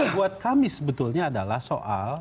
buat kami sebetulnya adalah soal